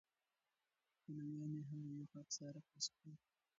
پلویان یې هغه یو خاکساره کس بولي.